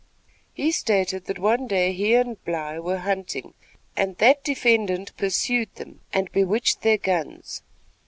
He stated that one day he and Bly were hunting and that defendant pursued them and bewitched their guns.